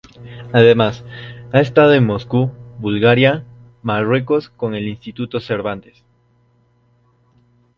Además, ha estado en Moscú, Bulgaria, Marruecos con el Instituto Cervantes.